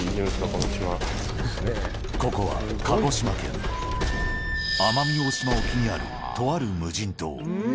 このここは鹿児島県奄美大島沖にある、とある無人島。